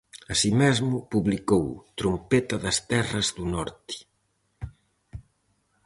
Así mesmo, publicou "Trompeta das Terras do Norte".